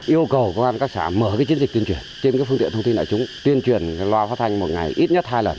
yêu cầu công an các xã mở chiến dịch tuyên truyền trên phương tiện thông tin đại chúng tuyên truyền loa phát thanh một ngày ít nhất hai lần